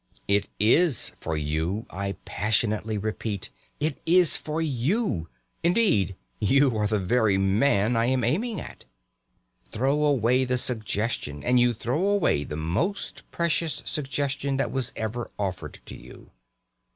It is for you, I passionately repeat; it is for you. Indeed, you are the very man I am aiming at. Throw away the suggestion, and you throw away the most precious suggestion that was ever offered to you.